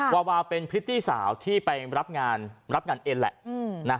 วาวาเป็นพริตตี้สาวที่ไปรับงานรับงานเอ็นแหละ